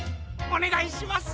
おねがいします。